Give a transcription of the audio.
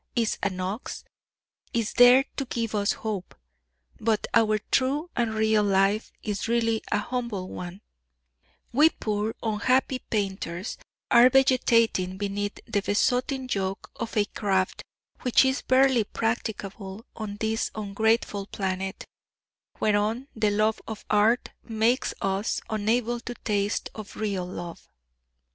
is an ox is there to give us hope. But our true and real life is really a humble one; we poor unhappy painters are vegetating beneath the besotting yoke of a craft which is barely practicable on this ungrateful planet, whereon the love of art makes us unable to taste of real love.